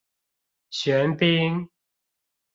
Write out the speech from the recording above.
玄彬